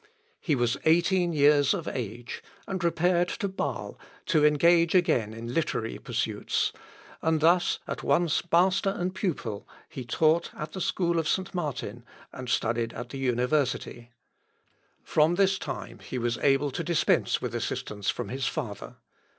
He was eighteen years of age, and repaired to Bâle, to engage again in literary pursuits, and thus at once master and pupil he taught at the school of St. Martin, and studied at the university; from this time he was able to dispense with assistance from his father.